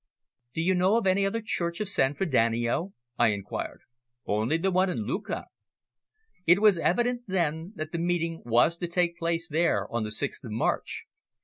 "Do you know of any other Church of San Frediano?" I inquired. "Only the one in Lucca." It was evident, then, that the meeting was to take place there on the 6th of March.